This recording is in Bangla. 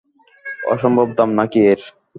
অসম্ভব দাম নাকি এর!